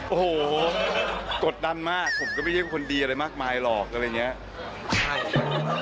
โอ้โหกดดันมากผมก็ไม่ใช่คนดีอะไรมากมายหรอกอะไรอย่างนี้